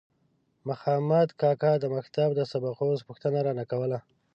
مخامد کاکا د مکتب د سبقو پوښتنه رانه کوله.